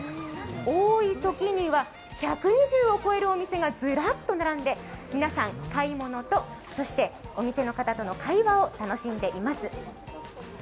多い時には１２０を超えるお店がずらっと並んで皆さん、買い物とそしてお店の方との会話を楽しんでいます。